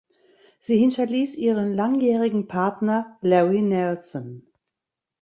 Sie hinterließ ihren langjährigen Partner Larry Nelson.